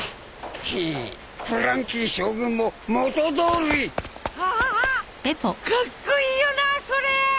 ヘッフランキー将軍も元通り！はわわカッコイイよなそれ！